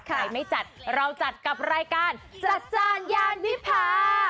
ไม่จัดเราจัดกับรายการจัดจานยานวิพา